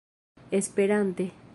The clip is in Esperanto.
esperante